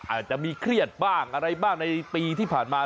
อาจจะมีเครียดบ้างอะไรบ้างในปีที่ผ่านมา